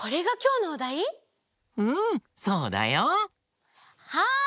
うんそうだよ。はい！